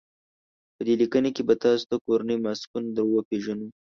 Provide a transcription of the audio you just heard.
په دې لیکنه کې به تاسو ته کورني ماسکونه در وپېژنو.